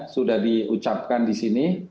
sudah diucapkan di sini